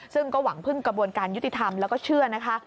ซึ่งก็หวังพึ่งกระบวนการยุติธรรมแล้วก็เชื่อนะคะ